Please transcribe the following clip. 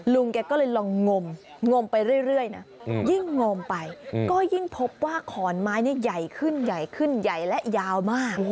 ลุงแกก็เลยลองงมงมไปเรื่อยนะยิ่งงมไปก็ยิ่งพบว่าขอนไม้นี่ใหญ่ขึ้นใหญ่ขึ้นใหญ่และยาวมาก